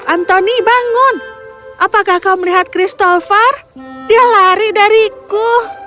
anthony bangun apakah kau melihat christopher dia lari dariku